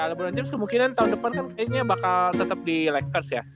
ya lebron james kemungkinan tahun depan kan kayaknya bakal tetep di lakers ya